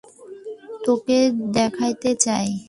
তোকে দেখাতে চাই।